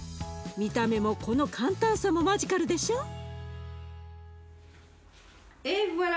見た目もこの簡単さもマジカルでしょ？